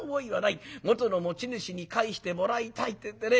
元の持ち主に返してもらいたいってんでね